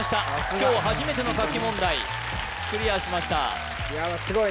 今日初めての書き問題クリアしました